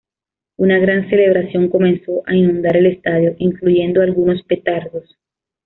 Una gran celebración comenzó a inundar el estadio, incluyendo algunos petardos.